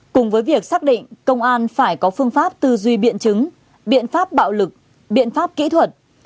cùng với việc xác định công an phải có phương pháp tư duy biện chứng biện pháp bạo lực biện pháp kỹ thuật